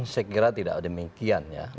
saya kira tidak demikian ya